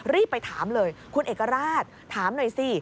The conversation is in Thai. รีบไปถามเลยคุณเอกราชถามหน่อยสิ